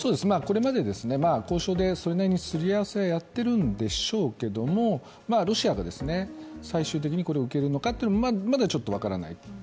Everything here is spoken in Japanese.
これまで交渉でそれなりにすり合わせをやっているんでしょうけどもロシアが最終的にこれを受け入れるのかはまだちょっと分からない。